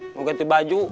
mau ganti baju